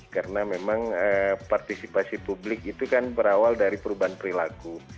karena memang partisipasi publik itu kan berawal dari perubahan perilaku